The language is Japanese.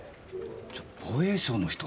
じゃ防衛省の人。